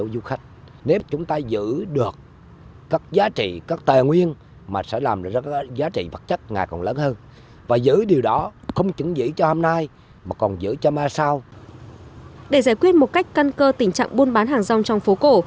để giải quyết một cách căn cơ tình trạng buôn bán hàng rong trong phố cổ